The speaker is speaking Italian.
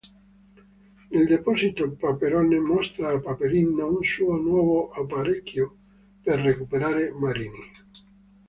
Nel deposito Paperone mostra a Paperino un suo nuovo apparecchio per recuperi marini.